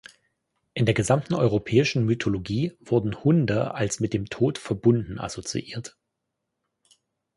In der gesamten europäischen Mythologie wurden Hunde als mit dem Tod verbunden assoziiert.